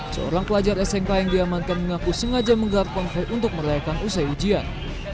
seorang pelajar smk yang diamankan mengaku sengaja menggelar konfe untuk merayakan usai ujian